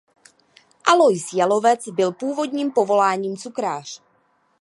Alois Jalovec byl původním povoláním cukrář.